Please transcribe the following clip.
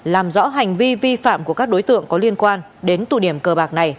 làm rõ hành vi vi phạm của các đối tượng có liên quan đến tụ điểm cờ bạc này